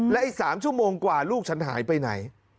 และอีก๓ชั่วโมงกว่าลูกฉันหายไปไหน